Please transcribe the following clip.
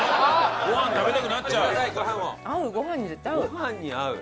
ご飯に合う？